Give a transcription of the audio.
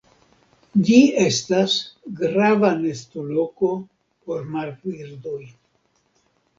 Ĝi estas grava nestoloko por marbirdoj.